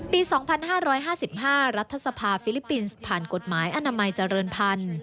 ปี๒๕๕๕รัฐสภาฟิลิปปินส์ผ่านกฎหมายอนามัยเจริญพันธุ์